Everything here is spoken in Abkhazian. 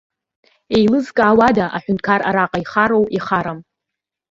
Иеилызкаауада аҳәынҭқар араҟа ихароу, ихарам?